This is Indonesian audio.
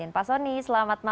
pak soni selamat malam